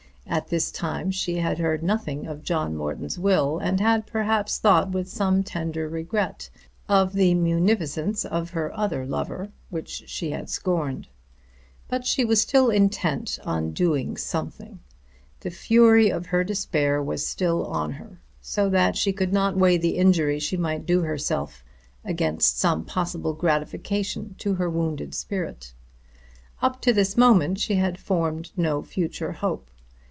At this time she had heard nothing of John Morton's will, and had perhaps thought with some tender regret of the munificence of her other lover, which she had scorned. But she was still intent on doing something. The fury of her despair was still on her, so that she could not weigh the injury she might do herself against some possible gratification to her wounded spirit. Up to this moment she had formed no future hope.